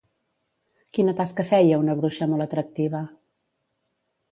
Quina tasca feia una bruixa molt atractiva?